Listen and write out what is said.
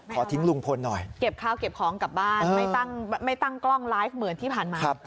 ขอทิ้งลุงพลหน่อยเก็บข้าวเก็บของกลับบ้านไม่ตั้งกล้องไลฟ์เหมือนที่ผ่านมา